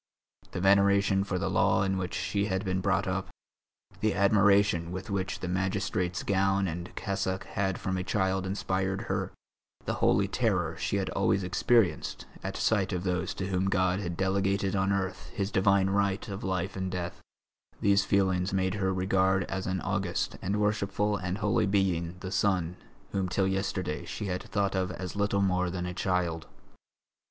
The veneration for the law in which she had been brought up, the admiration with which the magistrate's gown and cassock had from a child inspired her, the holy terror she had always experienced at sight of those to whom God had delegated on earth His divine right of life and death, these feelings made her regard as an august and worshipful and holy being the son whom till yesterday she had thought of as little more than a child.